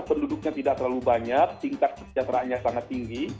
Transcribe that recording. penduduknya tidak terlalu banyak tingkat kesejahteraannya sangat tinggi